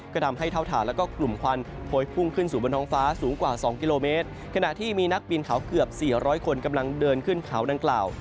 ก็ทำให้เท่าฐานแล้วก็กลุ่มควันโพยพุ่งขึ้นสู่บนท้องฟ้าสูงกว่าสองกิโลเมตรขณะที่มีนักบินเขาเกือบสี่ร้อยคนกำลังเดินขึ้นเขาดังกล่าว